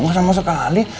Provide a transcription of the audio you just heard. gak sama sekali